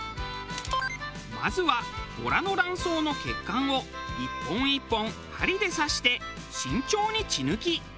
まずはボラの卵巣の血管を１本１本針で刺して慎重に血抜き。